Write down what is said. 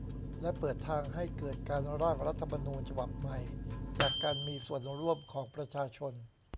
และเปิดทางให้เกิดการ "ร่าง" รัฐธรรมนูญฉบับใหม่ จากการมีส่วนร่วมของประชาชน